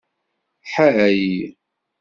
Ḥay!